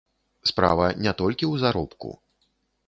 Справа не толькі ў заробку.